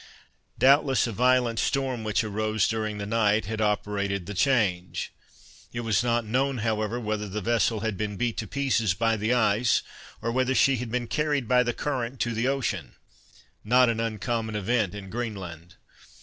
Doubtless a violent storm, which arose during the night, had operated the change. It was not known, however, whether the vessel had been beat to pieces by the ice, or whether she had been carried by the current to the ocean; not an uncommon event in Greenland.